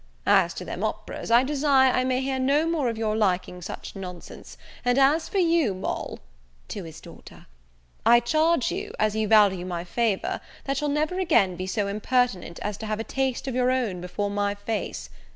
As to them operas, I desire I may hear no more of their liking such nonsense; and for you, Moll" (to his daughter,) "I charge you, as you value my favour, that you'll never again be so impertinent as to have a taste of your own before my face.